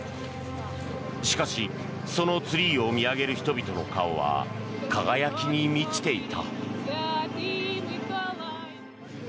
しかし、そのツリーを見上げる人々の顔は輝きに満ちていた。